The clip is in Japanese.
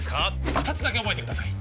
二つだけ覚えてください